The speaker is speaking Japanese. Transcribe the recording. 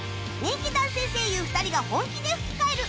人気男性声優２人が本気で吹き替える潜入ロケ